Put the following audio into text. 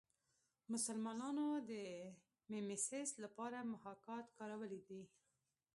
مسلمانانو د میمیسیس لپاره محاکات کارولی دی